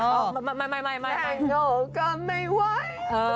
แกล้งโง่ก็ไม่ไหว